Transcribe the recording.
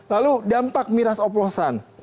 lalu dampak miras oplosan